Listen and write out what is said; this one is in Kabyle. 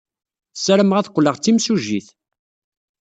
Ssarameɣ ad qqleɣ d timsujjit.